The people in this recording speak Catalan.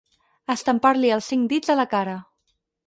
Estampar-li els cinc dits a la cara.